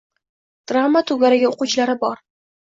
Drama to‘garagi o‘quvchilari bor.